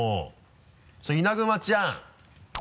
稲熊ちゃん。